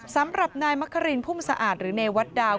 สำหรับนายมะครินพุ่มสะอาดหรือเนวัดดาว